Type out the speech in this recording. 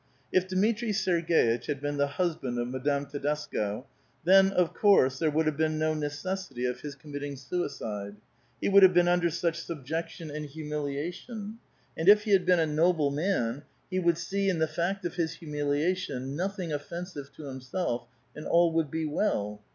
If Dmitri Serg^itch had been the husband of Madame Tedesco, then, of course, there would have been no necessity of his committing suicide. He would have been under such subjection and humiliation ; and if he had been a noble man, he would see in the fact of his humiliation nothing offensive to himself, and all would be well.